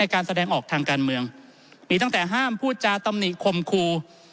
ในการแสดงออกทางการเมืองห้ามผู้จารรภ์ตำหนิคมครู